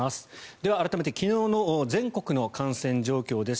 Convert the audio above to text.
では改めて昨日の全国の感染状況です。